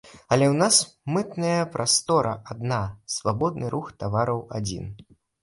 Але ў нас мытная прастора адна, свабодны рух тавараў адзін.